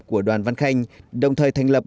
của đoàn văn khanh đồng thời thành lập